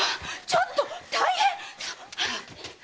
ちょっと大変！